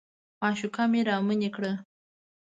معشوقه مې رامنې کړه.